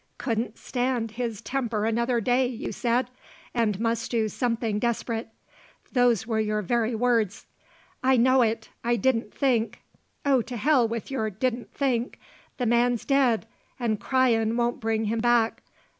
'Couldn't stand his temper another day,' you said; and must do something desprit. Those were your very words." "I know it. I didn't think " "Oh, to hell with your 'didn't think'! The man's dead, an' cryin' won't bring him back.